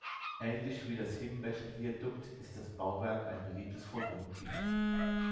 Ähnlich wie das Himbächel-Viadukt ist das Bauwerk ein beliebtes Fotomotiv.